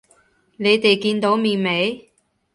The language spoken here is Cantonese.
你哋見到面未？